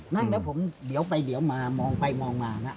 นั่งแล้วผมลีออไปลีออมามามองไปมองมา